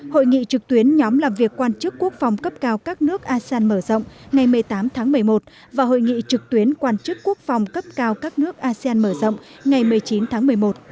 hội nghị trực tuyến nhóm làm việc quan chức quốc phòng cấp cao các nước asean mở rộng ngày một mươi tám tháng một mươi một và hội nghị trực tuyến quan chức quốc phòng cấp cao các nước asean mở rộng ngày một mươi chín tháng một mươi một